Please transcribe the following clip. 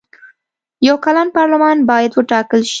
یو کلن پارلمان باید وټاکل شي.